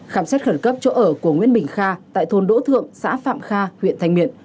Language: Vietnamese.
khám xét khẩn cấp chỗ ở của nguyễn bình kha tại thôn đỗ thượng xã phạm kha huyện thanh miện